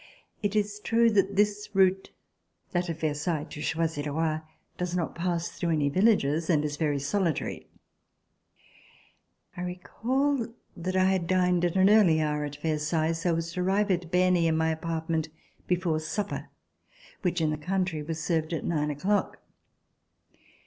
It is true that this route, that of Versailles to Choisy le Roi, does not pass through any villages and is very solitary. C80] FALL OF THE BASTILLE I recall that I had dined at an early hour at Versailles so as to arrive at Berny in my apartment before supper, which in the country' was served at nine o'clock.